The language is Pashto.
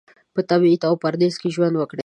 په تبعید او پردیس کې ژوند وکړي.